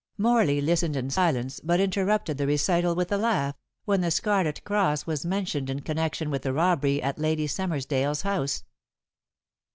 Morley listened in silence, but interrupted the recital with a laugh, when the scarlet cross was mentioned in connection with the robbery at Lady Summersdale's house.